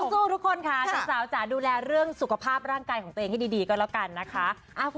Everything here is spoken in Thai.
สู้ทุกคนค่ะสาวจ๋าดูแลเรื่องสุขภาพร่างกายของตัวเองให้ดีก็แล้วกันนะคะ